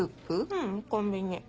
ううんコンビニ。